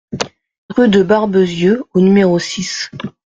Rue de Barbezieux au numéro six